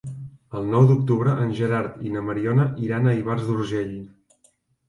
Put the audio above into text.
El nou d'octubre en Gerard i na Mariona iran a Ivars d'Urgell.